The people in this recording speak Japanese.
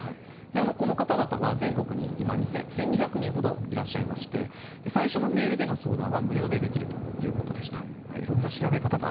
この方々は全国に今１２００人ほどいらっしゃいまして最初のメールでの相談は無料でできるということでした。